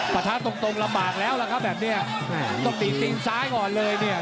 ประทานตรงลำบากแล้วแล้วล่ะแบบเนี่ยต้องดีดดินทรายก่อนเลยเนี่ย